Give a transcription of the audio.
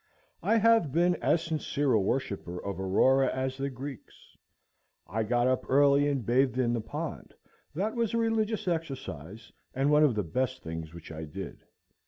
I have been as sincere a worshipper of Aurora as the Greeks. I got up early and bathed in the pond; that was a religious exercise, and one of the best things which I did.